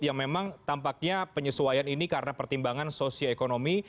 yang memang tampaknya penyesuaian ini karena pertimbangan sosioekonomi